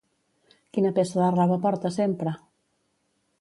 Quina peça de roba porta sempre?